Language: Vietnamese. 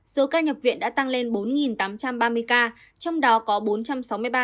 số ca nhập viện đã tăng lên bốn tám trăm ba mươi ca trong đó có bốn sáu trăm ba mươi bảy ca